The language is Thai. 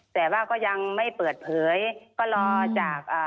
แต่ว่าก็ยังไม่เปิดเผยก็รอจากอ่า